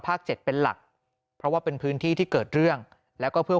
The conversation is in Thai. เจ็ดเป็นหลักเพราะว่าเป็นพื้นที่ที่เกิดเรื่องแล้วก็เพื่อ